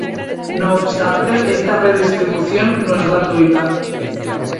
No obstante, esta redistribución no es gratuita.